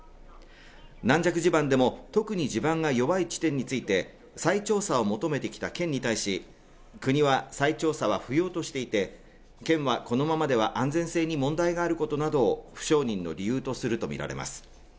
軟弱地盤でも特に地盤が弱い地点について再調査を求めてきた県に対し国は再調査は不要としていて県はこのままでは安全性に問題があることなどを不承認の理由とすると見られます